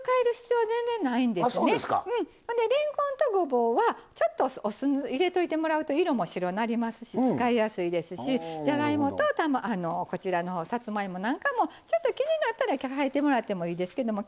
あそうですか。れんこんとごぼうはちょっとお酢入れといてもらうと色も白うなりますし使いやすいですしじゃがいもとこちらのさつまいもなんかもちょっと気になったら替えてもらってもいいですけども